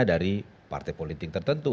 dari partai politik tertentu